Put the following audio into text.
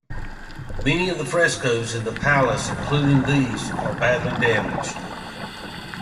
Many of the frescoes in the Palace, including these, are badly damaged.